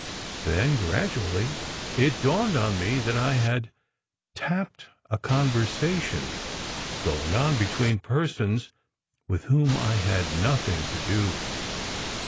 Then, gradually, it dawned on me that I had "tapped" a con versation going on between persons with whom I had nothing to do.